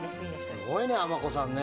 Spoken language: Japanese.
すごいね、あまこさんね。